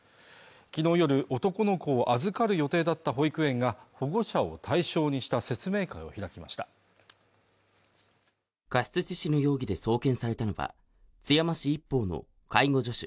昨日夜男の子を預かる予定だった保育園が保護者を対象にした説明会を開きました過失致死の容疑で送検されたのは津山市一方の介護助手